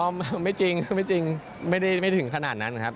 อ๋อไม่จริงไม่ถึงขนาดนั้นครับ